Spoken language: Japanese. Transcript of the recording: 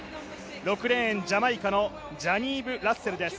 ６レーンジャマイカのジャニーブ・ラッセルです。